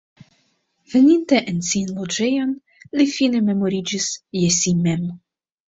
Veninte en sian loĝejon, li fine memoriĝis je si mem.